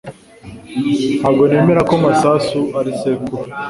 Ntabwo nemera ko Masasu ari sekuru